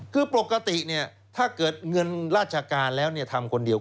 คือปกติเนี่ยถ้าเกิดเงินราชการแล้วทำคนเดียว